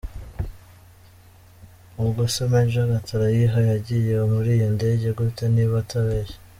Ubwo se Major Gatarayiha yagiye muri iyo ndege gute niba atabeshya?